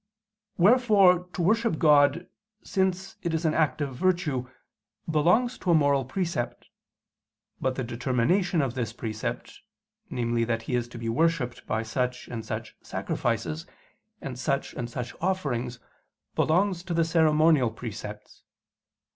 Wherefore to worship God, since it is an act of virtue, belongs to a moral precept; but the determination of this precept, namely that He is to be worshipped by such and such sacrifices, and such and such offerings, belongs to the ceremonial precepts.